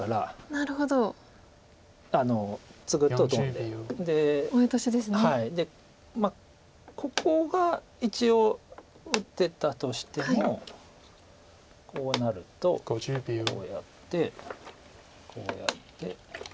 でここが一応打てたとしてもこうなるとこうやってこうやって。